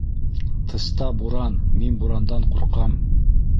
Тыста буран, мин бурандан ҡурҡам!